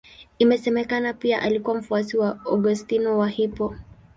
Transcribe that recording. Inasemekana pia alikuwa mfuasi wa Augustino wa Hippo.